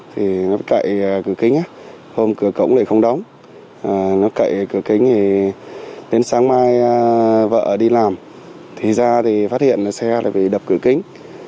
thì nó cậy cửa kính hôm cửa cổng lại không đóng nó cậy cửa kính này đến sáng mai vợ đi làm thì ra thì phát hiện là xe lại bị đập cửa kính